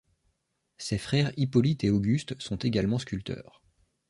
Ses frères Hippolyte et Auguste sont également sculpteurs.